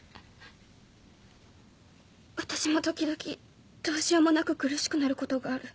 私も時々どうしようもなく苦しくなることがある。